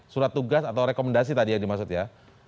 surat tugas atau rekomendasi tadi yang dimaksud ya